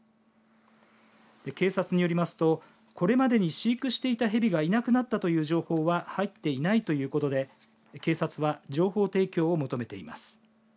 警察によりますとこれまでに飼育していた蛇がいなくなったという情報は入っていないということで警察は情報提供を求めています。